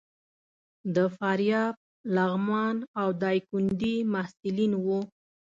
د فاریاب، لغمان او ډایکنډي محصلین وو.